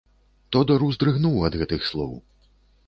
Тодар уздрыгнуў ад гэтых слоў.